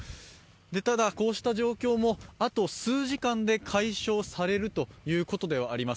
ただこうした状況もあと数時間で解消されるということではありま